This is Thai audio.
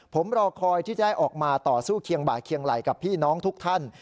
ผมรอคอยที่จะได้ออกมาต่อสู้เคียงบ่าเคียงไหล่กับพี่น้องทุกท่าน